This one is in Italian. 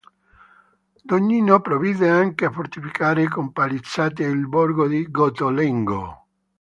Donnino provvide anche a fortificare con palizzate il borgo di Gottolengo.